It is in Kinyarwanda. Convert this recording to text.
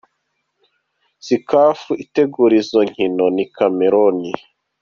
"Si Caf itegura izo nkino, ni Cameroun.